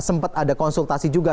sempat ada konsultasi juga